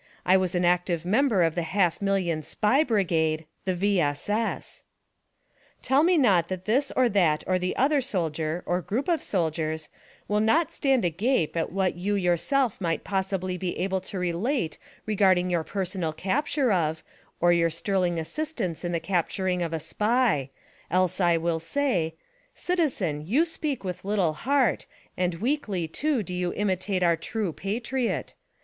I was an active member of the half million SPY BRIGADE, the V. S. S." Tell me not that this or that or the other soldier, or group of soldiers, will but stand agape at what you yourself might possibly be afcle to relate regarding your personal capture of, or your sterling assis tance in the capturing of a SPY, else I will say : "Citizen, you speak with little heart, and weakly too do you imitate our TRUE PATRIOT.